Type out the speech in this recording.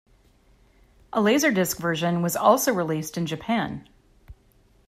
A laserdisc version was also released in Japan.